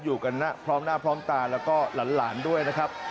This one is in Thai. อยู่กันพร้อมหน้าพร้อมตาแล้วก็หลานด้วยนะครับ